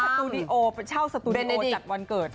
สตูดิโอเช่าสตูดิโอจัดวันเกิด